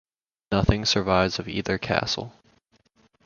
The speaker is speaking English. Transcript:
Nothing survives of either castle.